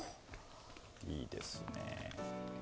いいですね。